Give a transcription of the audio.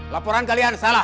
laporan kalian salah